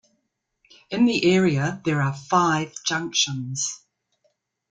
In the area there are five junctions.